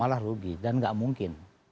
malah rugi dan nggak mungkin